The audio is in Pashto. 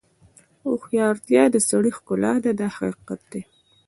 هوښیارتیا د سړي ښکلا ده دا حقیقت دی.